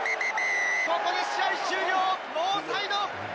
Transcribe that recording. ここで試合終了、ノーサイド！